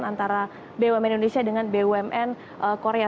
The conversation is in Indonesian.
antara bumn indonesia dengan bumn korea